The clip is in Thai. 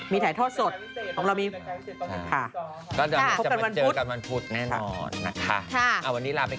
มีไทยทอดสดของเรามี